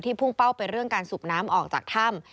พุ่งเป้าไปเรื่องการสูบน้ำออกจากถ้ำ